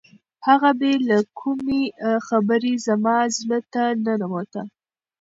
هغه بې له کومې خبرې زما زړه ته ننوته.